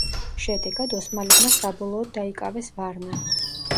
შედეგად, ოსმალებმა საბოლოოდ დაიკავეს ვარნა.